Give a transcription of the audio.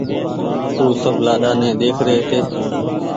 او سب لآڏآ ني ۮيک رهي هيتي